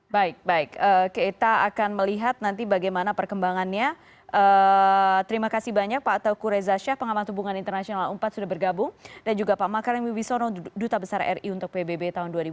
baik baik kita akan melihat nanti bagaimana perkembangannya terima kasih banyak pak atoko reza syah pengamat hubungan internasional empat sudah bergabung dan juga pak pak online webisode duta besar ri untuk pbb tahun dua ribu empat dua ribu tujuh